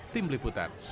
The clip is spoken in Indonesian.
tim liputan cnn indonesia